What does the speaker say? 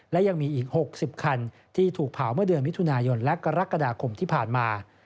และยังมีอีก๖๐คันที่ถูกเผาเมื่อเดือนมิถุนายนและกรกฎาคมที่ผ่านมา